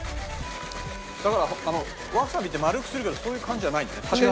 わさびって丸くするけどそういう感じじゃないね。